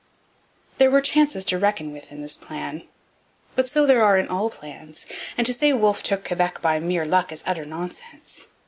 There were chances to reckon with in this plan. But so there are in all plans; and to say Wolfe took Quebec by mere luck is utter nonsense.